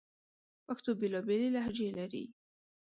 پښتو بیلابیلي لهجې لري